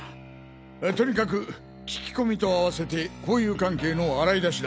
とにかく聞き込みとあわせて交友関係の洗い出しだ！